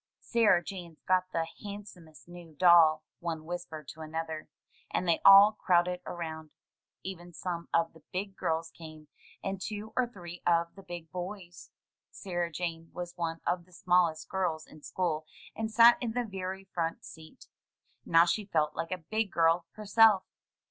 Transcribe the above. "Sarah Jane's got the handsomest new doll," one whispered to another, and they all crowded around. Even some of the "big girls" came, and two or three of the big boys. Sarah Jane was one of the smallest girls in school, and sat in the very front seat. Now she felt like a big girl herself.